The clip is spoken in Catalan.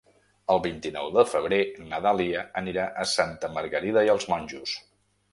El vint-i-nou de febrer na Dàlia anirà a Santa Margarida i els Monjos.